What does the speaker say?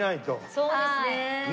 そうですね。